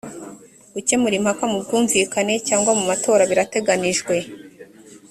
gukemura impaka mu bwumvikane cyangwa mu matora birateganijwe